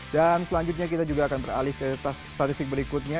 dan selanjutnya kita juga akan beralih ke statistik berikutnya